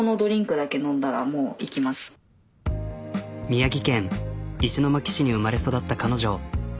宮城県石巻市に生まれ育った彼女。